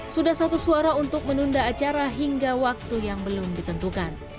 sudah satu suara untuk menunda acara hingga waktu yang belum ditentukan